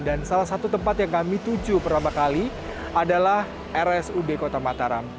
dan salah satu tempat yang kami tuju pertama kali adalah rsud kota mataram